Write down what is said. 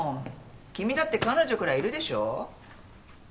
君だって彼女くらいいるでしょ？